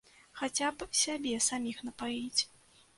Хаця б сябе саміх напаіць.